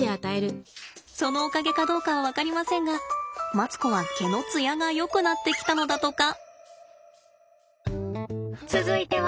そのおかげかどうかは分かりませんがマツコは毛のつやがよくなってきたのだとか。